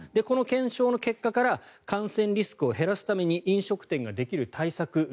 この検証の結果から感染リスクを減らすために飲食店ができる対策